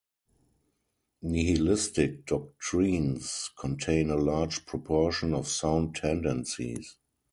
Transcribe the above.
Nihilistic doctrines contain a large proportion of sound tendencies.